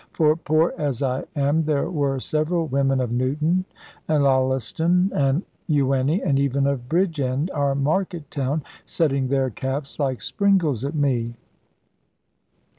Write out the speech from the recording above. For, poor as I am, there were several women of Newton, and Llaleston, and Ewenny, and even of Bridgend, our market town, setting their caps, like springles, at me!